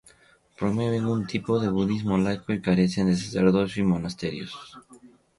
Promueven un tipo de Budismo laico y carecen de sacerdocio y monasterios.